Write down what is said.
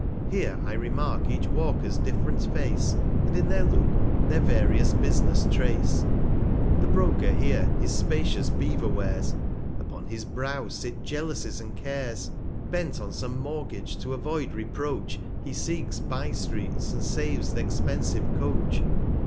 Here I remark each Walker's diff'rent Face, And in their Look their various Bus'ness trace. The Broker here his spacious Beaver wears, 155 Upon his Brow sit Jealousies and Cares; Bent on some Mortgage, to avoid Reproach, He seeks bye Streets, and saves th' expensive Coach.